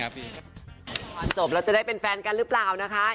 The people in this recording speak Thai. จบแล้วจะได้เป็นแฟนกันหรือเปล่านะคะ